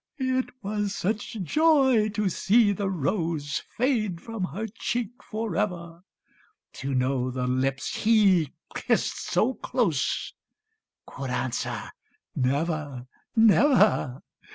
It was such joy to see the rose Fade from her cheek for ever; To know the lips he kissed so close Could answer never, never.